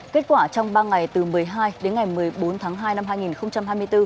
kết quả trong ba ngày từ một mươi hai đến ngày một mươi bốn tháng hai năm hai nghìn hai mươi bốn